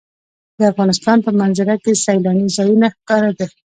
د افغانستان په منظره کې سیلانی ځایونه ښکاره ده.